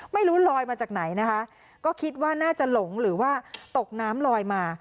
ไม่รู้ลอยมาจากไหนนะคะก็คิดว่าน่าจะหลงหรือว่าตกน้ำลอยมา